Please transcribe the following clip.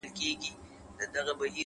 حوصله د لویو لاسته راوړنو شرط دی؛